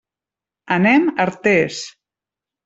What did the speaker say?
Anem a Artés.